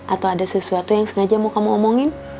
atau ada sesuatu yang sengaja mau kamu omongin